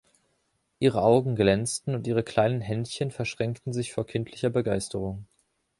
Ihre Augen glänzten und ihre kleinen Händchen verschränkten sich vor kindlicher Begeisterung.